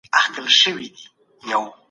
ايا ټولنه له يوې مرحلې بلې ته ځي؟